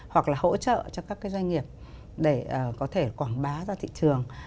hoặc là hỗ trợ cho các cái doanh nghiệp để có thể quảng bá ra thị trường